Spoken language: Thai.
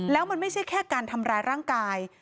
แล้วมันไม่ใช่แค่การทำร้ายร่างกาย